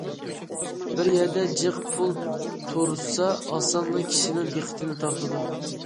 بىر يەردە جىق پۇل تۇرسا ئاسانلا كىشىنىڭ دىققىتىنى تارتىدۇ.